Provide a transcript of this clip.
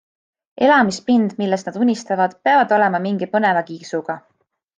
Elamispind, millest nad unistavad, peab olema mingi põneva kiiksuga.